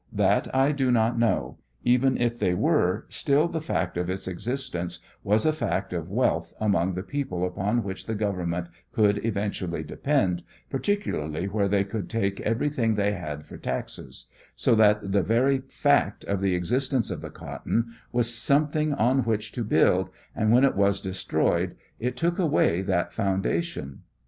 That I do not know; even if they were, still the fact of its existence was a fact of wealth among the people upon which the Government could eventually depend, particularly where they could take everything they had for taxes ; so that the very fact of the exist ence of the cotton was something on which to build, and when it was destroyed it took away that founda tion.